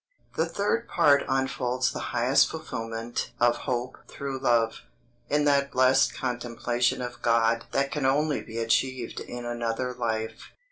The third part unfolds the highest fulfilment of hope through love, in that blessed contemplation of God that can only be achieved in another life.